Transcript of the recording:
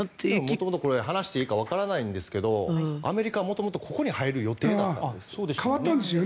元々、これ話していいかわからないんですがアメリカは元々、ここに入る予定だったんですよ。